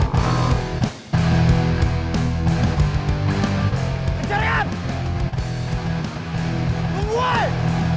satu arah ini woy